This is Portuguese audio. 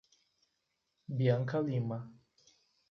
Bianca Lima